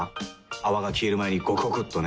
泡が消える前にゴクゴクっとね。